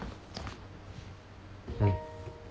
うん。